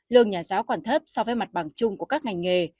lương nhà giáo còn thấp so với mặt bằng chung của các ngành nghề